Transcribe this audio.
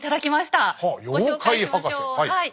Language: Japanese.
ご紹介しましょうはい。